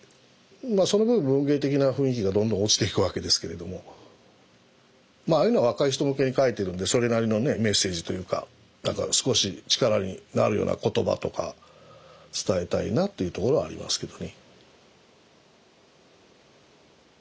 その分文芸的な雰囲気がどんどん落ちていくわけですけれどもまあああいうのは若い人向けに書いているのでそれなりのねメッセージというか何か少し力になるような言葉とか伝えたいなというところはありますけどね。